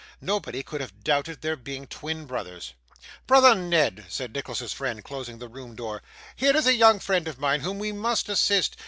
Nobody could have doubted their being twin brothers. 'Brother Ned,' said Nicholas's friend, closing the room door, 'here is a young friend of mine whom we must assist.